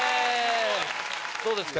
どうですか？